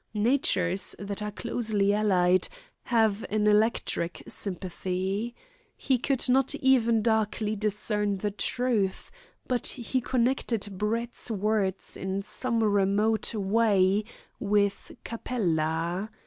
Natures that are closely allied have an electric sympathy. He could not even darkly discern the truth, but he connected Brett's words in some remote way with Capella.